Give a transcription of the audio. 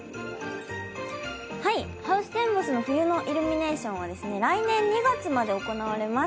ハウステンボスの冬のイルミネーションは来年２月まで行われます。